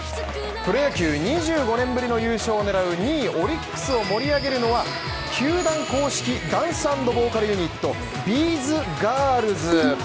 プロ野球２５年ぶりの優勝を狙う２位オリックスを盛り上げるのは球団公式、ダンス＆ボーカルユニットビーズガールズ。